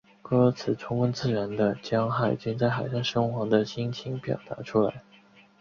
歌词充分自然地将海军在海上生活的心情表达出来。